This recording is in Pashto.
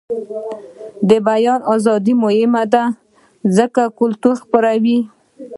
د بیان ازادي مهمه ده ځکه چې کلتور خپروي.